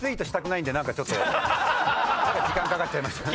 何か時間かかっちゃいました。